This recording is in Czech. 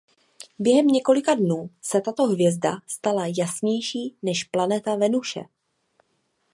Během několika dnů se tato hvězda stala jasnější než planeta Venuše.